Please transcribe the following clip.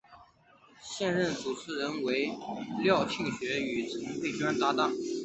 现任主持人为廖庆学与陈斐娟搭档。